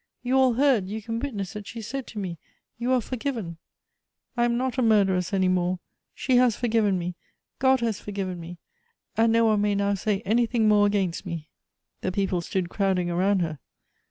You all heard, you can witness that she said to me :' You are forgiven.' I am not a murderess any more. She has forgiven me. God has forgiven me, and no one may now say anything more against me." 320 G O B T H E ' 8 The people stood crowding around her.